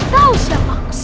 tapi ya berhenti